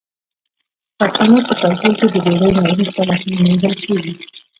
د پښتنو په کلتور کې د ډوډۍ نه وروسته لاسونه مینځل کیږي.